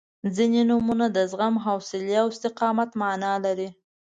• ځینې نومونه د زغم، حوصلې او استقامت معنا لري.